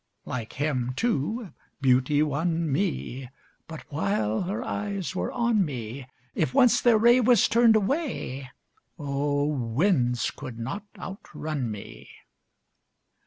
Like him, too, Beauty won me, But while her eyes were on me, If once their ray Was turned away, O! winds could not outrun me.